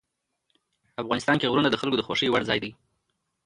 افغانستان کې غرونه د خلکو د خوښې وړ ځای دی.